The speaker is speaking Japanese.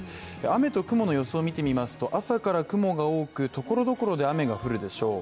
雨と雲の予想を見てみますと朝から雲が多くところどころで雨が降るでしょう。